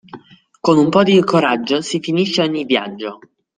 Con un po' di coraggio si finisce ogni viaggio.